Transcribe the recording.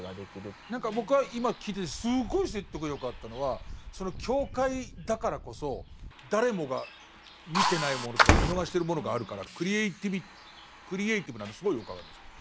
何か僕は今聞いててすごい説得力あったのは境界だからこそ誰もが見てないものとか見逃してるものがあるからクリエーティブなのすごいよく分かるんですよ。